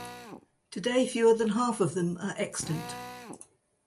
Today fewer than half of them are extant.